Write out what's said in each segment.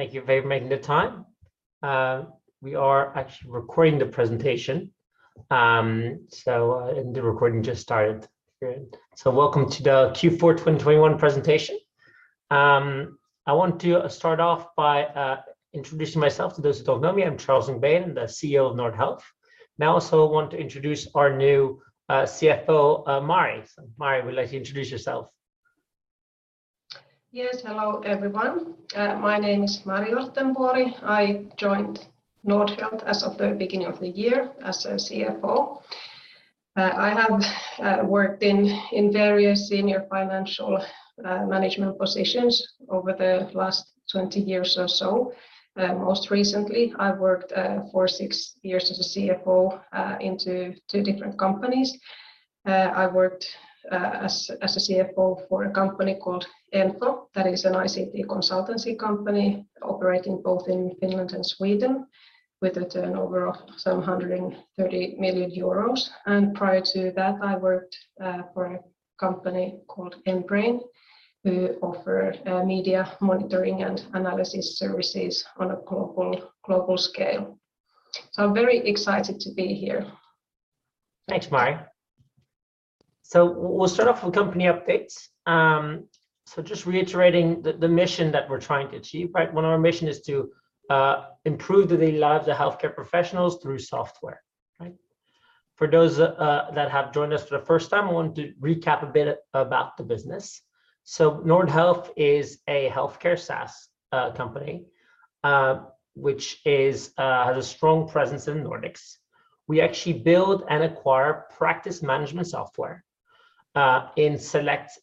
Thank you for making the time. We are actually recording the presentation, so the recording just started. Welcome to the Q4 2021 presentation. I want to start off by introducing myself to those who don't know me. I'm Charles MacBain, the CEO of Nordhealth. I also want to introduce our new CFO, Mari. Mari, would you like to introduce yourself? Yes. Hello, everyone. My name is Mari Orttenvuori. I joined Nordhealth as of the beginning of the year as a CFO. I have worked in various senior financial management positions over the last 20 years or so. Most recently, I worked for six years as a CFO in two different companies. I worked as a CFO for a company called Enfo, that is an ICT consultancy company operating both in Finland and Sweden with a turnover of some 130 million euros. Prior to that, I worked for a company called M-Brain, who offer media monitoring and analysis services on a global scale. I'm very excited to be here. Thanks, Mari. We'll start off with company updates. Just reiterating the mission that we're trying to achieve, right? One of our mission is to improve the daily lives of healthcare professionals through software, right? For those that have joined us for the first time, I want to recap a bit about the business. Nordhealth is a healthcare SaaS company which has a strong presence in the Nordics. We actually build and acquire practice management software in select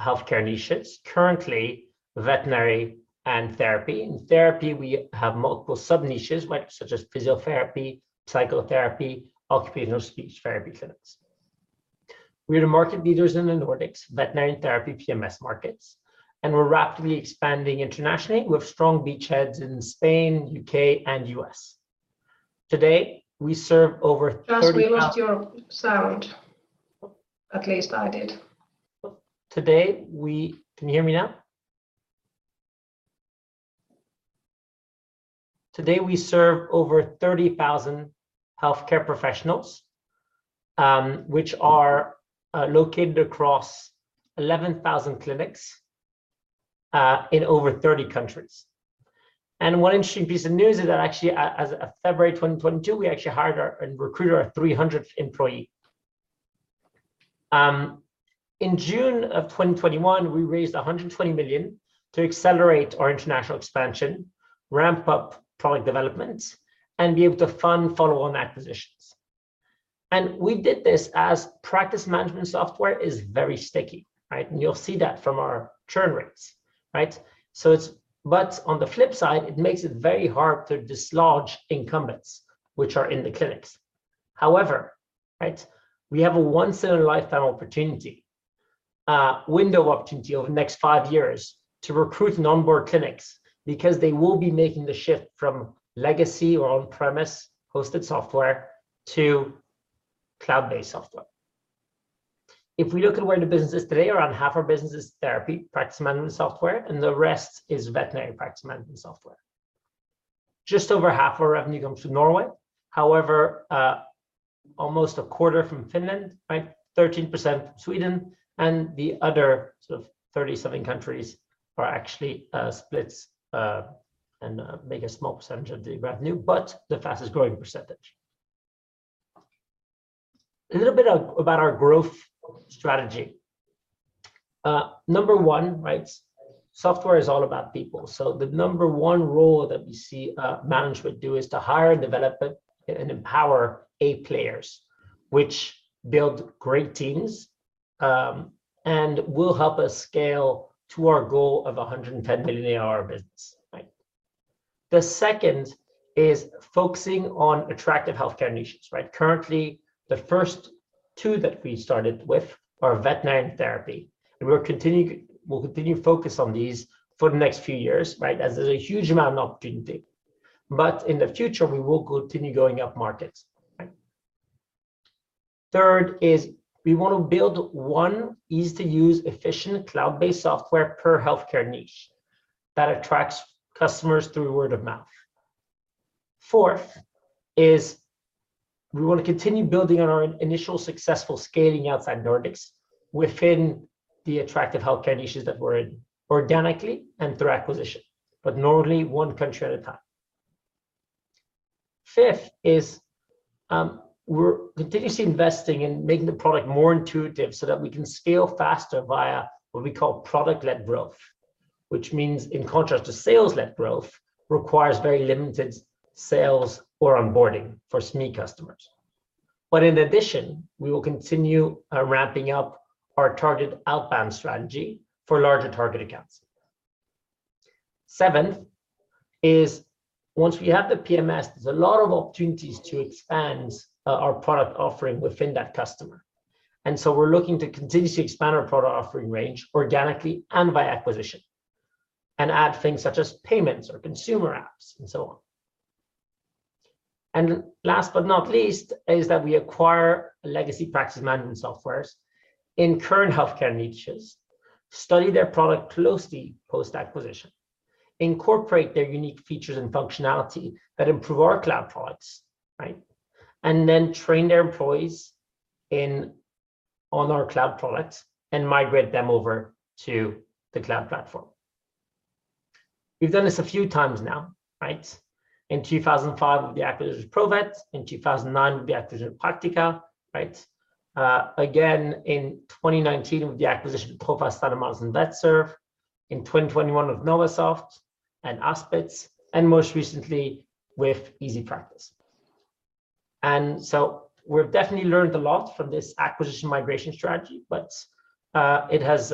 healthcare niches, currently veterinary and therapy. In therapy, we have multiple sub-niches such as physiotherapy, psychotherapy, and occupational speech therapy clinics. We are the market leaders in the Nordics veterinary therapy PMS markets, and we're rapidly expanding internationally with strong beachheads in Spain, U.K., and U.S. Charles, we lost your sound. At least I did. Today we serve over 30,000 healthcare professionals, which are located across 11,000 clinics in over 30 countries. One interesting piece of news is that actually as of February 2022, we actually hired and recruited our 300th employee. In June 2021, we raised 120 million to accelerate our international expansion, ramp up product development, and be able to fund follow-on acquisitions. We did this as practice management software is very sticky, right? You'll see that from our churn rates, right? On the flip side, it makes it very hard to dislodge incumbents which are in the clinics. However, right, we have a once in a lifetime opportunity, window of opportunity over the next five years to recruit non-board clinics because they will be making the shift from legacy or on-premise hosted software to cloud-based software. If we look at where the business is today, around half our business is therapy practice management software, and the rest is veterinary practice management software. Just over 1/2 our revenue comes from Norway. However, almost a 1/4 from Finland, right, 13% Sweden, and the other sort of 37 countries are actually, splits, and, make a small percentage of the revenue, but the fastest-growing percentage. A little bit about our growth strategy. Number one, right? Software is all about people. The number one role that we see management do is to hire, develop, and empower A players, which build great teams, and will help us scale to our goal of 110 million ARR business, right? The second is focusing on attractive healthcare niches, right? Currently, the first two that we started with are veterinary and therapy, and we'll continue to focus on these for the next few years, right? As there's a huge amount of opportunity. In the future, we will continue going up markets, right? Third is we want to build one easy to use, efficient, cloud-based software per healthcare niche that attracts customers through word of mouth. Fourth is we want to continue building on our initial successful scaling outside Nordics within the attractive healthcare niches that we're in organically and through acquisition, but normally one country at a time. Fifth is, we're continuously investing in making the product more intuitive so that we can scale faster via what we call product-led growth, which means in contrast to sales-led growth, requires very limited sales or onboarding for SME customers. In addition, we will continue, ramping up our targeted outbound strategy for larger target accounts. Seventh is once we have the PMS, there's a lot of opportunities to expand, our product offering within that customer. We're looking to continuously expand our product offering range organically and by acquisition and add things such as payments or consumer apps and so on. Last but not least is that we acquire legacy practice management softwares in current healthcare niches, study their product closely post-acquisition, incorporate their unique features and functionality that improve our cloud products, right? Then train their employees on our cloud product and migrate them over to the cloud platform. We've done this a few times now, right? In 2005, with the acquisition of Provet. In 2009, with the acquisition of Praktiikka, right? Again in 2019 with the acquisition of Trofast, Sanimalis, and Vetserve. In 2021 with Novasoft and Aspit, and most recently with EasyPractice. We've definitely learned a lot from this acquisition migration strategy, but it has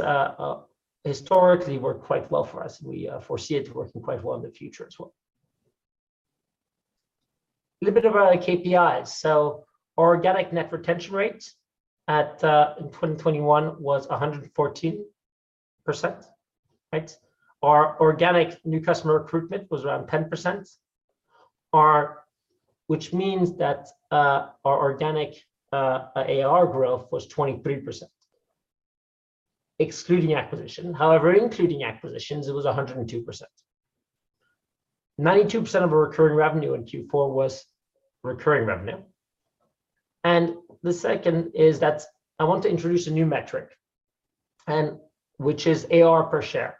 historically worked quite well for us. We foresee it working quite well in the future as well. Little bit about our KPIs. Organic net retention rates in 2021 was 114%, right? Our organic new customer recruitment was around 10%. Which means that our organic ARR growth was 23%, excluding acquisition. However, including acquisitions, it was 102%. 92% of our recurring revenue in Q4 was recurring revenue. The second is that I want to introduce a new metric and which is ARR per share,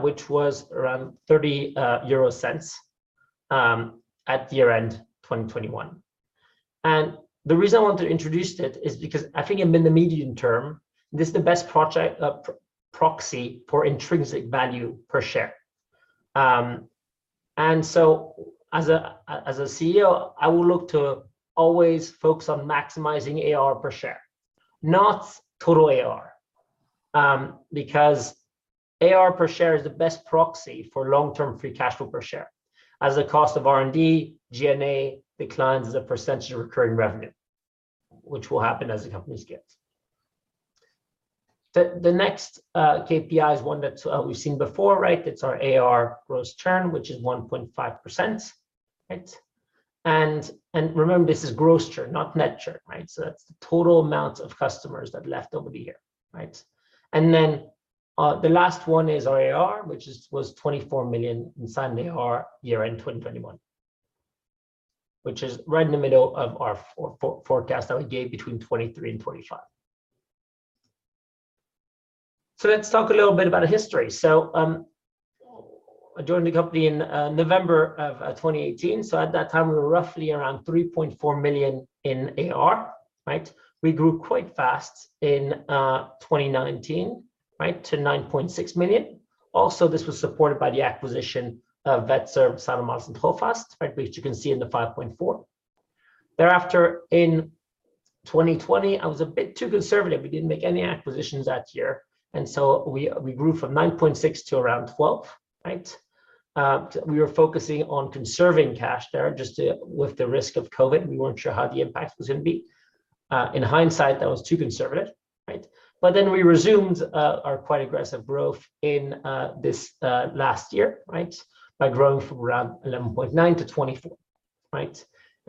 which was around 0.30 at year-end 2021. The reason I want to introduce it is because I think in the medium term, this is the best proxy for intrinsic value per share. As a CEO, I will look to always focus on maximizing ARR per share, not total ARR, because ARR per share is the best proxy for long-term free cash flow per share as the cost of R&D, G&A declines as a percentage of recurring revenue, which will happen as the companies scale. The next KPI is one that we've seen before, right? It's our ARR gross churn, which is 1.5%, right? Remember, this is gross churn, not net churn, right? That's the total amount of customers that left over the year, right? The last one is our ARR, which was 24 million in signed ARR year-end 2021, which is right in the middle of our forecast that we gave between 2023 and 2025. Let's talk a little bit about the history. I joined the company in November of 2018. At that time, we were roughly around 3.4 million in ARR, right? We grew quite fast in 2019, right, to 9.6 million. Also, this was supported by the acquisition of Vetserve, Sanimalis, and Trofast, right, which you can see in the 5.4 million. Thereafter, in 2020, I was a bit too conservative. We didn't make any acquisitions that year, and we grew from 9.6 million to around 12 million, right? We were focusing on conserving cash there just with the risk of COVID. We weren't sure how the impact was gonna be. In hindsight, that was too conservative, right? We resumed our quite aggressive growth in this last year, right, by growing from around 11.9 million to 24 million,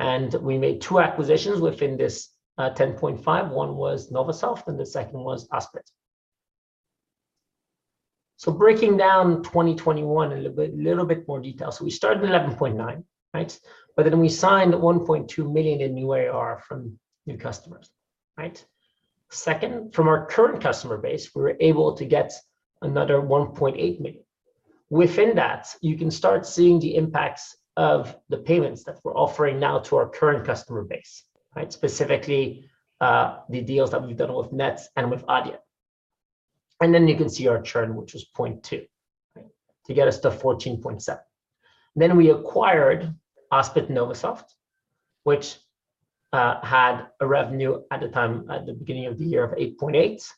right? We made two acquisitions within this 10.5 million. One was Novasoft, and the second was Aspit. Breaking down 2021 a little bit more detail. We started at 11.9 million, right? We signed 1.2 million in new ARR from new customers, right? Second, from our current customer base, we were able to get another 1.8 million. Within that, you can start seeing the impacts of the payments that we're offering now to our current customer base, right? Specifically, the deals that we've done with Nets and with Adyen. Then you can see our churn, which was 0.2%, right, to get us to 14.7 million. We acquired Aspit and Novasoft, which had a revenue at the time, at the beginning of the year, of 8.8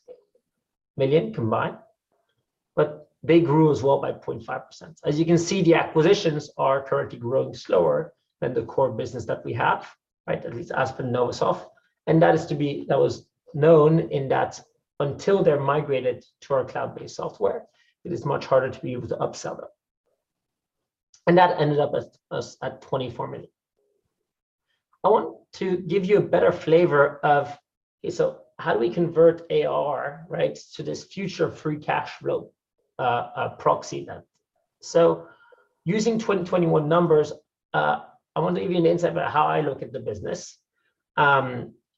million combined, but they grew as well by 0.5%. You can see, the acquisitions are currently growing slower than the core business that we have, right? At least Aspit and Novasoft, and that was known in that until they're migrated to our cloud-based software, it is much harder to be able to upsell them. That ended up at us at 24 million. I want to give you a better flavor of, okay, so how do we convert ARR, right, to this future free cash flow proxy then? Using 2021 numbers, I want to give you an insight about how I look at the business,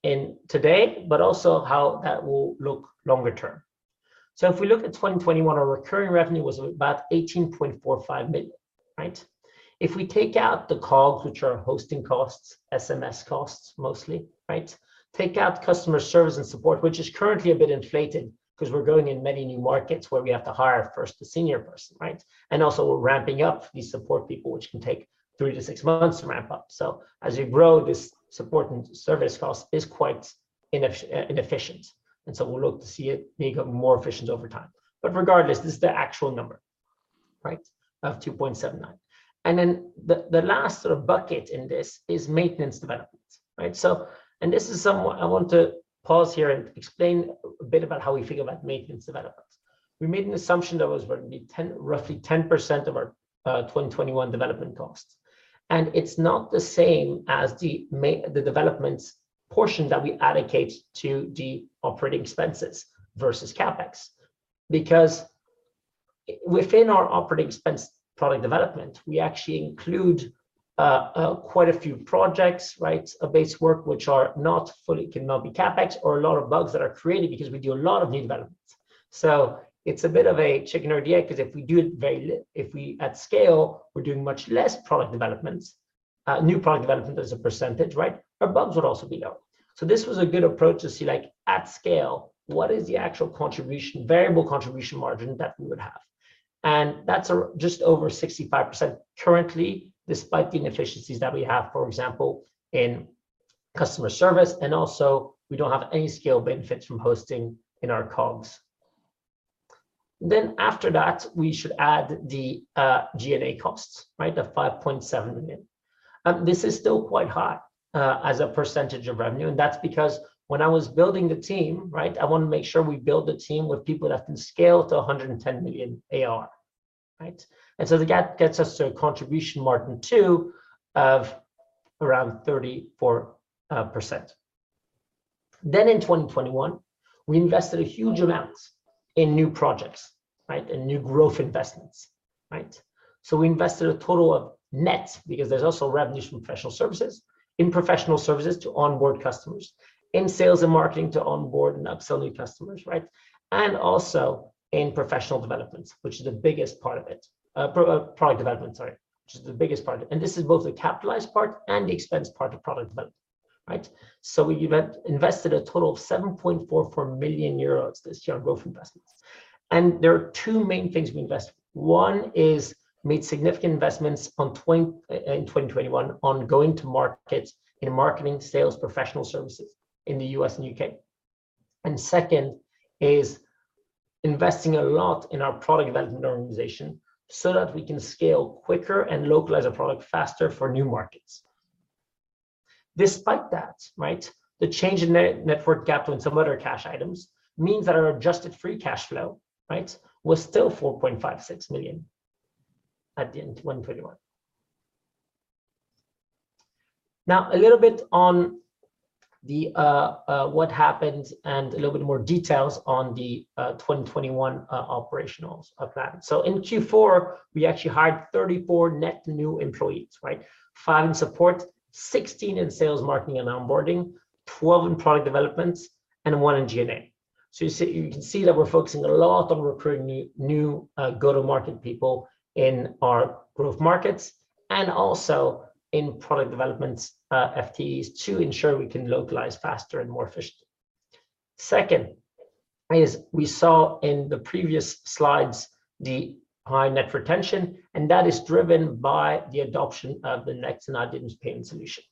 in today, but also how that will look longer term. If we look at 2021, our recurring revenue was about 18.45 million, right? If we take out the COGS, which are hosting costs, SMS costs mostly, right? Take out customer service and support, which is currently a bit inflated because we're growing in many new markets where we have to hire first a senior person, right? also we're ramping up these support people, which can take three-six months to ramp up. As we grow, this support and service cost is quite inefficient, and so we'll look to see it become more efficient over time. Regardless, this is the actual number, right, of 2.79 million. The last sort of bucket in this is maintenance developments. Right? I want to pause here and explain a bit about how we think about maintenance development. We made an assumption that was gonna be roughly 10% of our 2021 development costs. It's not the same as the development portion that we allocate to the operating expenses versus CapEx. Because within our operating expense product development, we actually include quite a few projects, right, base work, which cannot be CapEx or a lot of bugs that are created because we do a lot of new developments. It's a bit of a chicken or the egg, 'cause if we at scale, we're doing much less product developments, new product development as a percentage, right? Our bugs would also be low. This was a good approach to see like at scale, what is the actual contribution, variable contribution margin that we would have. That's just over 65% currently, despite the inefficiencies that we have, for example, in customer service, and also we don't have any scale benefits from hosting in our COGS. After that, we should add the G&A costs, right? The 5.7 million. This is still quite high, as a percentage of revenue, and that's because when I was building the team, right? I wanna make sure we build the team with people that can scale to 110 million ARR, right? That gets us to a contribution margin two of around 34%. In 2021, we invested huge amounts in new projects, right? In new growth investments, right? We invested a total of net, because there's also revenues from professional services, in professional services to onboard customers, in sales and marketing to onboard and upsell new customers, right? In product development, which is the biggest part of it. This is both the capitalized part and the expense part of product development, right? We invested a total of 7.44 million euros this year on growth investments. There are two main things we invest. We made significant investments in 2021 in go-to-market in marketing, sales, professional services in the U.S. and U.K. Second is investing a lot in our product development organization so that we can scale quicker and localize our product faster for new markets. Despite that, the change in net working capital and some other cash items means that our adjusted free cash flow was still 4.56 million at the end of 2021. Now, a little bit on what happened and a little bit more details on the 2021 operations of that. In Q4, we actually hired 34 net new employees. Five in support, 16 in sales, marketing, and onboarding, 12 in product development, and one in G&A. You can see that we're focusing a lot on recruiting new go-to-market people in our growth markets and also in product developments FTEs to ensure we can localize faster and more efficiently. Second is we saw in the previous slides the high net retention, and that is driven by the adoption of the Nets and Adyen's payment solution,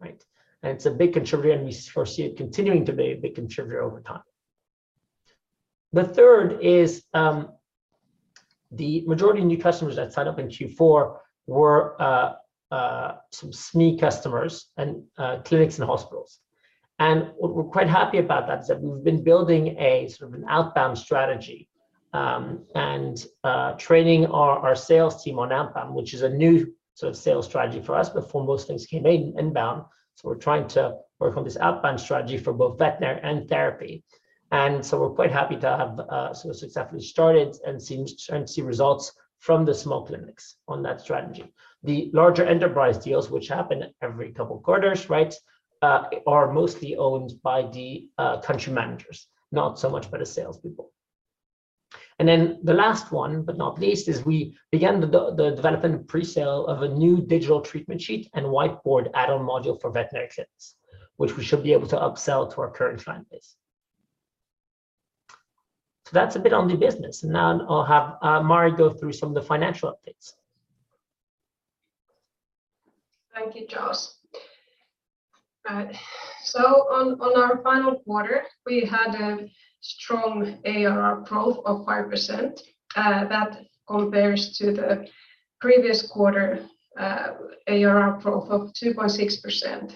right? It's a big contributor, and we foresee it continuing to be a big contributor over time. The third is the majority of new customers that signed up in Q4 were some SME customers and clinics and hospitals. We're quite happy about that, is that we've been building a sort of an outbound strategy and training our sales team on outbound, which is a new sort of sales strategy for us. Before, most things came in inbound, so we're trying to work on this outbound strategy for both veterinary and therapy. We're quite happy to have sort of successfully started and seen and see results from the small clinics on that strategy. The larger enterprise deals, which happen every couple quarters, right, are mostly owned by the country managers, not so much by the salespeople. The last one, but not least, is we began the development and pre-sale of a new digital treatment sheet and whiteboard add-on module for veterinary clinics, which we should be able to upsell to our current client base. That's a bit on the business. Now I'll have Mari go through some of the financial updates. Thank you, Charles. In our final quarter, we had a strong ARR growth of 5%. That compares to the previous quarter, ARR growth of 2.6%.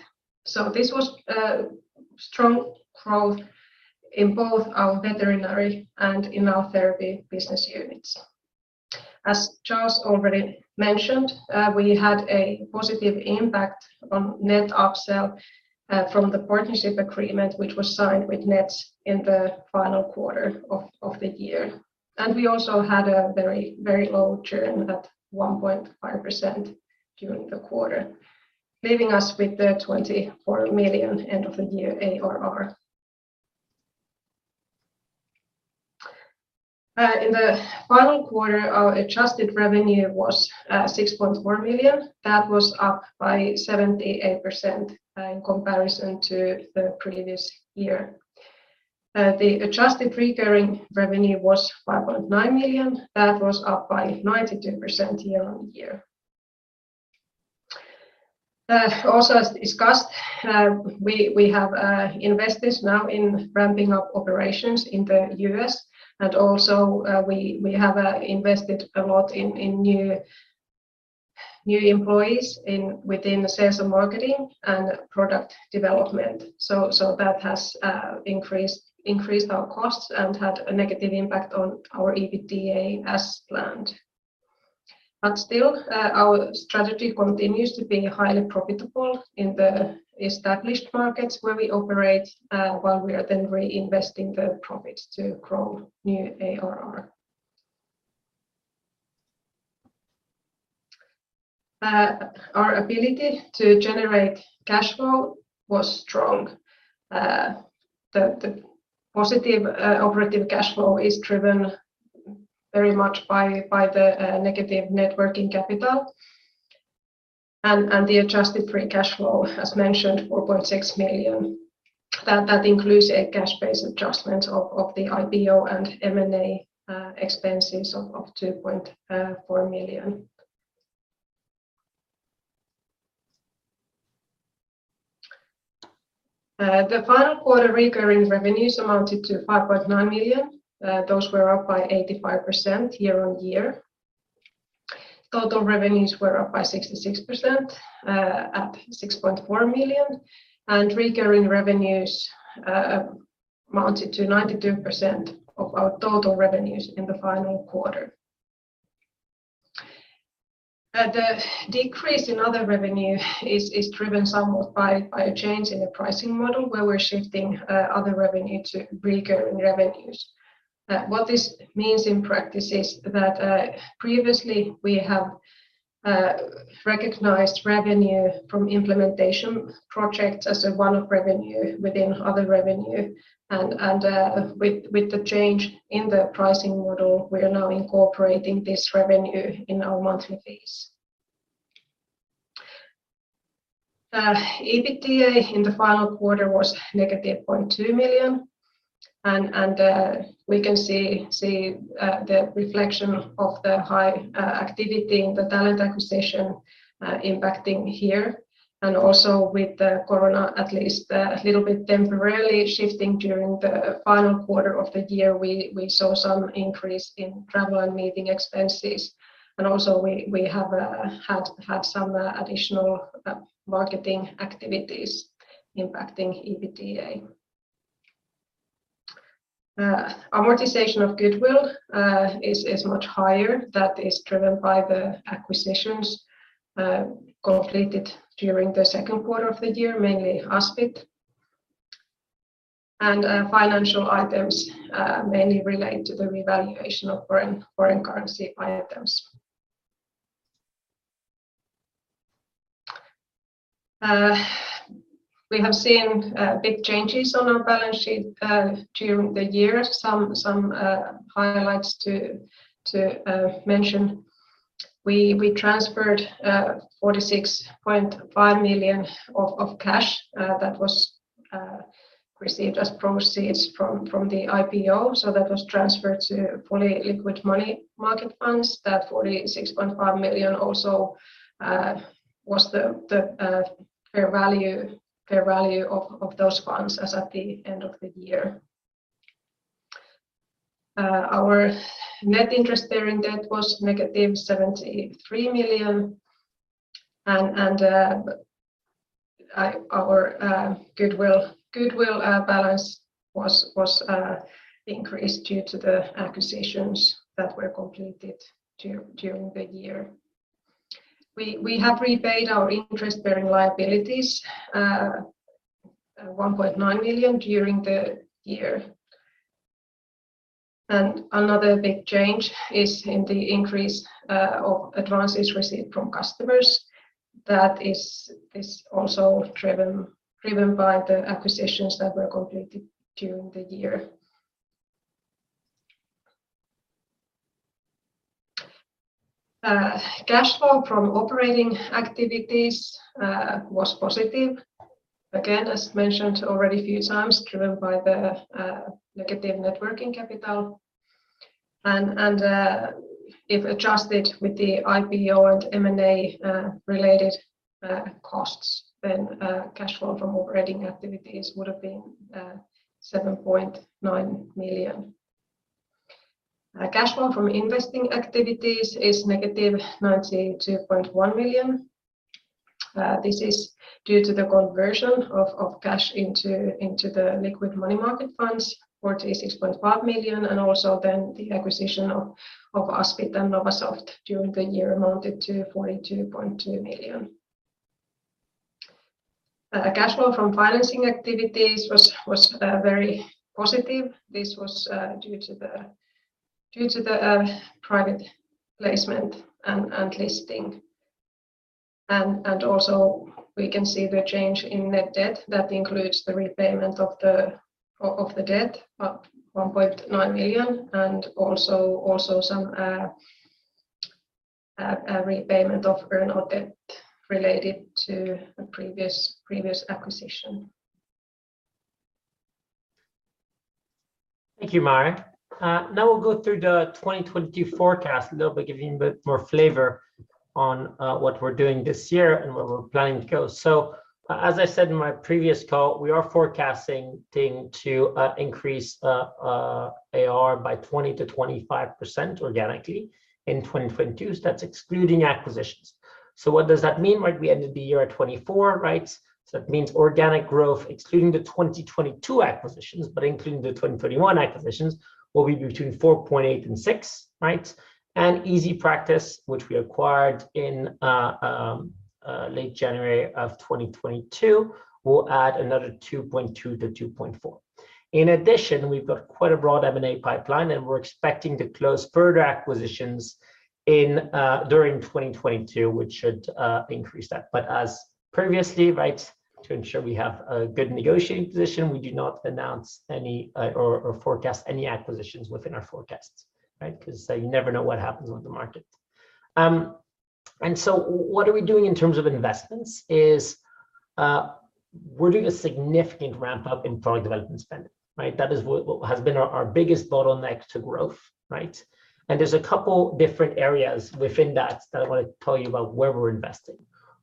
This was strong growth in both our veterinary and in our therapy business units. As Charles already mentioned, we had a positive impact on net upsell from the partnership agreement, which was signed with Nets in the final quarter of the year. We also had a very low churn at 1.5% during the quarter, leaving us with 24 million end of the year ARR. In the final quarter, our adjusted revenue was 6.4 million. That was up by 78% in comparison to the previous year. The adjusted recurring revenue was 5.9 million. That was up by 92% year-over-year. Also as discussed, we have invested now in ramping up operations in the U.S., and also we have invested a lot in new employees within sales and marketing and product development. That has increased our costs and had a negative impact on our EBITDA as planned. Still, our strategy continues to be highly profitable in the established markets where we operate, while we are then reinvesting the profits to grow new ARR. Our ability to generate cash flow was strong. The positive operating cash flow is driven very much by the negative net working capital and the adjusted free cash flow, as mentioned, 4.6 million. That includes a cash-based adjustment of the IPO and M&A expenses of EUR 2.4 million. The final quarter recurring revenues amounted to 5.9 million. Those were up by 85% year-on-year. Total revenues were up by 66% at EUR 6.4 million. Recurring revenues amounted to 92% of our total revenues in the final quarter. The decrease in other revenue is driven somewhat by a change in the pricing model where we're shifting other revenue to recurring revenues. What this means in practice is that previously we have recognized revenue from implementation projects as a one-off revenue within other revenue and with the change in the pricing model, we are now incorporating this revenue in our monthly fees. EBITDA in the final quarter was negative 0.2 million and we can see the reflection of the high activity in the talent acquisition impacting here. Also with the COVID at least a little bit temporarily shifting during the final quarter of the year, we saw some increase in travel and meeting expenses. Also we have had some additional marketing activities impacting EBITDA. Amortization of goodwill is much higher. That is driven by the acquisitions completed during the second quarter of the year, mainly Aspit. Financial items mainly relate to the revaluation of foreign currency items. We have seen big changes on our balance sheet during the year. Some highlights to mention. We transferred 46.5 million of cash that was received as proceeds from the IPO. That was transferred to fully liquid money market funds. That 46.5 million also was the fair value of those funds as at the end of the year. Our net interest-bearing debt was -73 million and our goodwill balance was increased due to the acquisitions that were completed during the year. We have repaid our interest-bearing liabilities EUR 1.9 million during the year. Another big change is in the increase of advances received from customers. That is also driven by the acquisitions that were completed during the year. Cash flow from operating activities was positive. Again, as mentioned already a few times, driven by the negative net working capital. If adjusted with the IPO and M&A related costs, then cash flow from operating activities would have been 7.9 million. Cash flow from investing activities is -92.1 million. This is due to the conversion of cash into the liquid money market funds, 46.5 million, and also the acquisition of Aspit and Novasoft during the year amounted to 42.2 million. Cash flow from financing activities was very positive. This was due to the private placement and listing. Also we can see the change in net debt. That includes the repayment of the debt 1.9 million, and also some repayment of earnout debt related to a previous acquisition. Thank you, Mari. Now we'll go through the 2022 forecast a little bit, giving a bit more flavor on what we're doing this year and where we're planning to go. As I said in my previous call, we are forecasting ARR to increase by 20%-25% organically in 2022. That's excluding acquisitions. What does that mean? Right? We ended the year at 24 million, right? It means organic growth, excluding the 2022 acquisitions, but including the 2021 acquisitions will be between 4.8 million and 6 million, right? And EasyPractice, which we acquired in late January 2022, will add another 2.2 million-2.4 million. In addition, we've got quite a broad M&A pipeline, and we're expecting to close further acquisitions in during 2022, which should increase that. But as previously right, to ensure we have a good negotiating position, we do not announce any or forecast any acquisitions within our forecasts, right? 'Cause you never know what happens with the market. What are we doing in terms of investments is we're doing a significant ramp-up in product development spending, right? That is what has been our biggest bottleneck to growth, right? There's a couple different areas within that that I wanna tell you about where we're investing.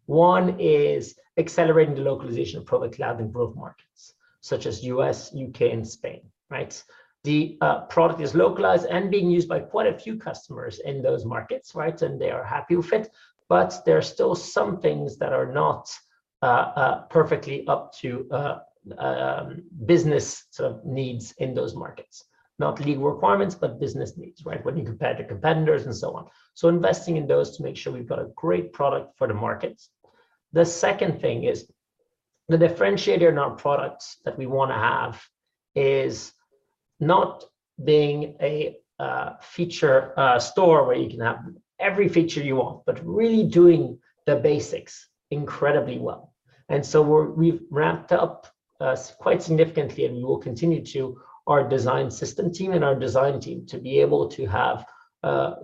One is accelerating the localization of Provet Cloud in growth markets such as U.S., U.K., and Spain, right? The Provet Cloud is localized and being used by quite a few customers in those markets, right? They are happy with it, but there are still some things that are not perfectly up to business sort of needs in those markets. Not legal requirements, but business needs, right? When you compare to competitors and so on. Investing in those to make sure we've got a great product for the markets. The second thing is the differentiator in our products that we wanna have is not being a feature store where you can have every feature you want, but really doing the basics incredibly well. We've ramped up quite significantly, and we will continue to our design system team and our design team to be able to have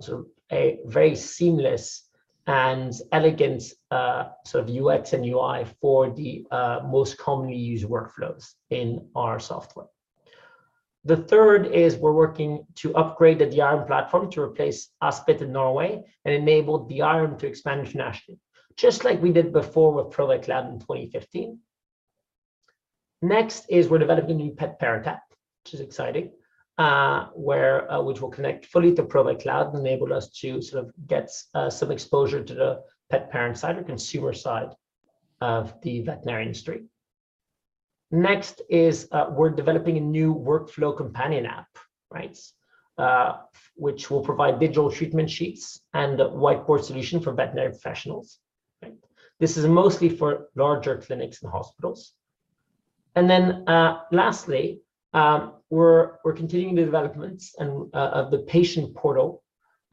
sort of a very seamless and elegant sort of UX and UI for the most commonly used workflows in our software. The third is we're working to upgrade the Diarium platform to replace Aspit in Norway and enable Diarium to expand internationally, just like we did before with Provet Cloud in 2015. Next is we're developing a new pet parent app, which is exciting, which will connect fully to Provet Cloud and enable us to sort of get some exposure to the pet parent side or consumer side of the veterinary industry. Next is, we're developing a new workflow companion app, right, which will provide digital treatment sheets and a whiteboard solution for veterinary professionals. Right. This is mostly for larger clinics and hospitals. Lastly, we're continuing the developments and of the patient portal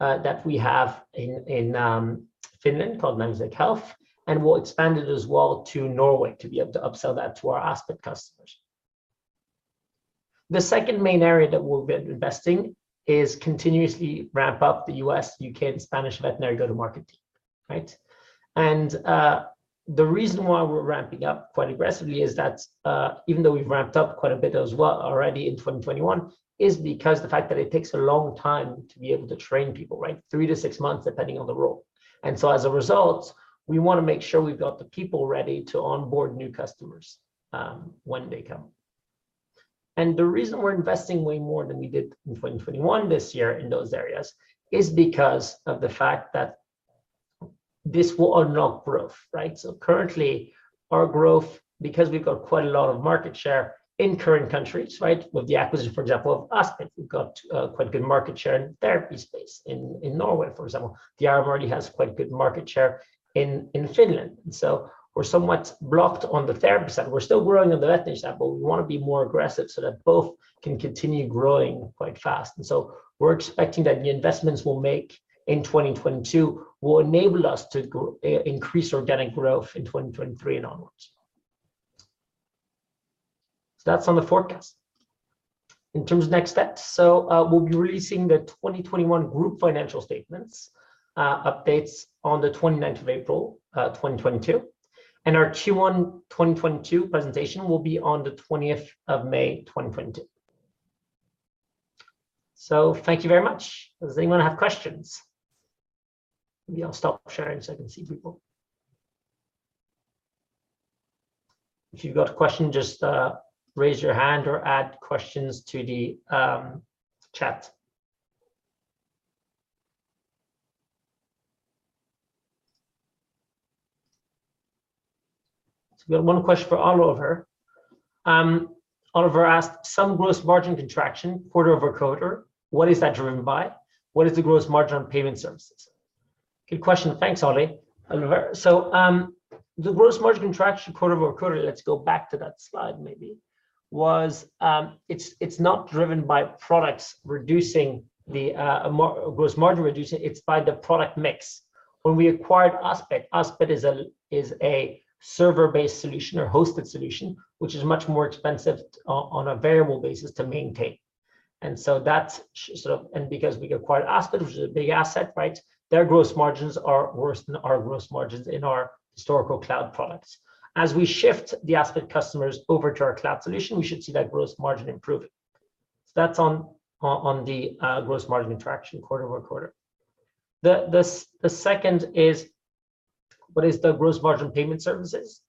that we have in Finland called Navisec Health, and we'll expand it as well to Norway to be able to upsell that to our Aspit customers. The second main area that we'll be investing is continuously ramp up the U.S., U.K., and Spanish veterinary go-to-market team, right? The reason why we're ramping up quite aggressively is that even though we've ramped up quite a bit as well already in 2021, is because the fact that it takes a long time to be able to train people, right? Three-six months, depending on the role. As a result, we wanna make sure we've got the people ready to onboard new customers when they come. The reason we're investing way more than we did in 2021 this year in those areas is because of the fact that this will unlock growth, right? Currently, our growth, because we've got quite a lot of market share in current countries, right? With the acquisition, for example, of Aspit, we've got quite good market share in therapy space in Norway, for example. Diarium already has quite a good market share in Finland. We're somewhat blocked on the therapy side. We're still growing on the veterinary side, but we wanna be more aggressive so that both can continue growing quite fast. We're expecting that the investments we'll make in 2022 will enable us to increase organic growth in 2023 and onwards. That's on the forecast. In terms of next steps, we'll be releasing the 2021 group financial statements, updates on the 29th of April 2022, and our Q1 2022 presentation will be on the 20th of May 2022. Thank you very much. Does anyone have questions? Maybe I'll stop sharing so I can see people. If you've got a question, just raise your hand or add questions to the chat. We have one question from Oliver. Oliver asked, "Some gross margin contraction quarter-over-quarter. What is that driven by? What is the gross margin on payment services?" Good question. Thanks, Ollie. Oliver. The gross margin contraction quarter-over-quarter, let's go back to that slide maybe, was, it's not driven by products reducing the gross margin reducing, it's by the product mix. When we acquired Aspit is a server-based solution or hosted solution, which is much more expensive on a variable basis to maintain. That's sort of. Because we acquired Aspit, which is a big asset, right? Their gross margins are worse than our gross margins in our historical cloud products. As we shift the Aspit customers over to our cloud solution, we should see that gross margin improve. That's on the gross margin traction quarter-over-quarter. The second is what is the gross margin payment services.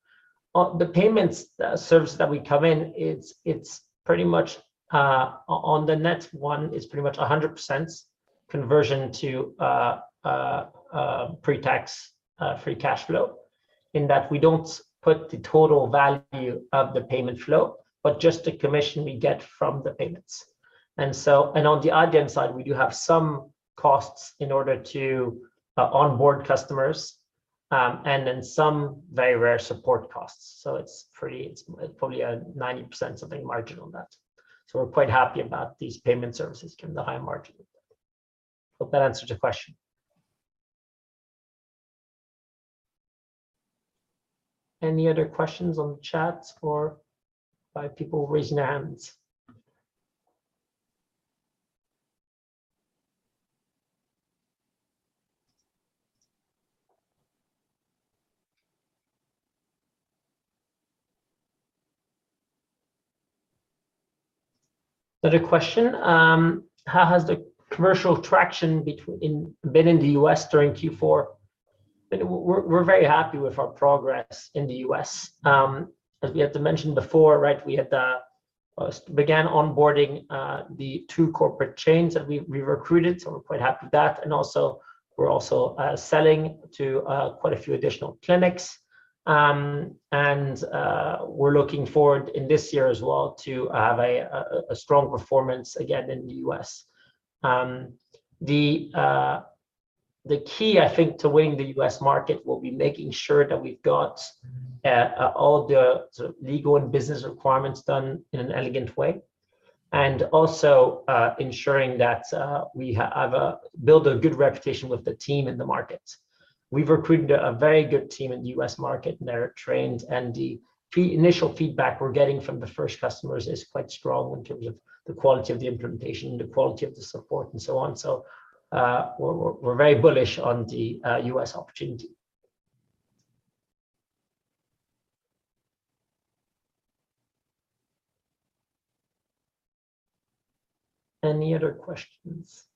The payments service that we come in, it's pretty much on the Nets one is pretty much 100% conversion to pre-tax free cash flow in that we don't put the total value of the payment flow, but just the commission we get from the payments. On the Adyen side, we do have some costs in order to onboard customers, and then some very rare support costs. It's probably a 90% something margin on that. We're quite happy about these payment services given the high margin. Hope that answers your question. Any other questions on the chats or by people raising their hands? Another question, how has the commercial traction been in the U.S. during Q4? We're very happy with our progress in the U.S. As we had mentioned before, right, we had began onboarding the two corporate chains that we recruited, so we're quite happy with that. We're also selling to quite a few additional clinics. We're looking forward in this year as well to have a strong performance again in the U.S. The key I think to winning the U.S. market will be making sure that we've got all the sort of legal and business requirements done in an elegant way, and also ensuring that we have to build a good reputation with the team in the market. We've recruited a very good team in the U.S. market, and they're trained, and the initial feedback we're getting from the first customers is quite strong in terms of the quality of the implementation, the quality of the support, and so on. We're very bullish on the U.S. opportunity. Any other questions?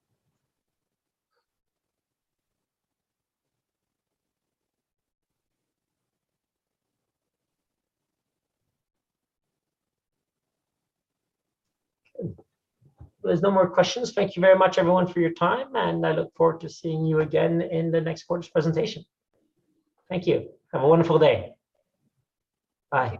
Good. Well, there's no more questions. Thank you very much everyone for your time, and I look forward to seeing you again in the next quarter's presentation. Thank you. Have a wonderful day. Bye.